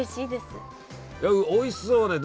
おいしそうね